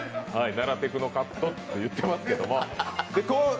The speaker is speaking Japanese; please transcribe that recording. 奈良テクノカットと言ってますけど。